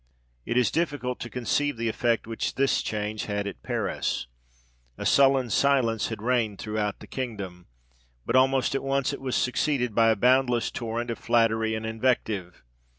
It is difficult to conceive the effect which this change had at Paris. A sullen silence had reigned throughout the kingdom ; but almost at once, it was succeeded by a boundless torrent of flattery and invective.